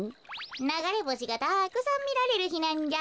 ながれぼしがたくさんみられるひなんじゃ。